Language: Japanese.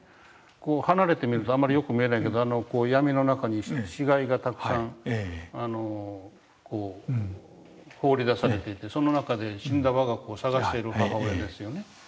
こう離れてみるとあんまりよく見えないけど闇の中に死骸がたくさん放り出されていてその中で死んだわが子を捜している母親ですよね。